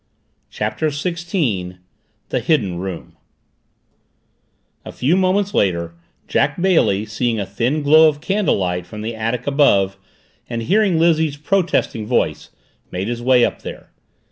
CHAPTER SIXTEEN THE HIDDEN ROOM A few moments later Jack Bailey, seeing a thin glow of candlelight from the attic above and hearing Lizzie's protesting voice, made his way up there.